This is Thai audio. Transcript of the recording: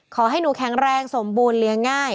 ขอให้หนูแข็งแรงสมบูรณเลี้ยงง่าย